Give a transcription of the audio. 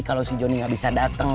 kalau si joni gak bisa dateng